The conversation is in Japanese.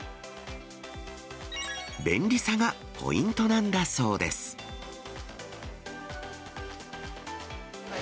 便利さがポイントなんだそうです。